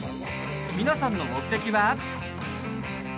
皆さんの目的は？